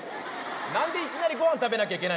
何でいきなりごはん食べなきゃいけないのよ。